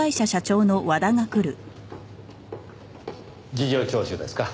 事情聴取ですか？